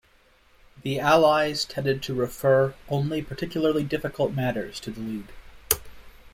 The Allies tended to refer only particularly difficult matters to the League.